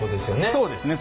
そうですね。